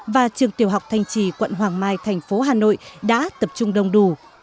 và trường tiểu học thanh trì quận hoàng mai thành phố hà nội đã tập trung đông đủ